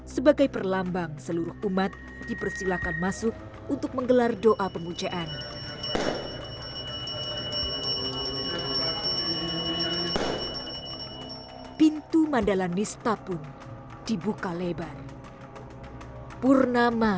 sebagai perlambang seluruh umat dipersilakan masuk untuk menggelar doa pemujaan